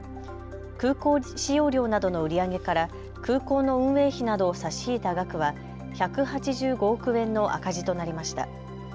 空港使用料などの売り上げから空港の運営費などを差し引いた額は１８５億円の赤字となりました。